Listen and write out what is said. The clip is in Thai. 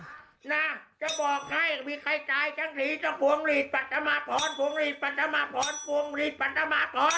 น่าจะบอกให้มีใครตายทั้งสีต้องหวงหลีดปัจจมาพรหวงหลีดปัจจมาพรหวงหลีดปัจจมาพร